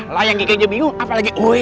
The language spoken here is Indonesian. lah yang gk jg bingung apalagi gue ya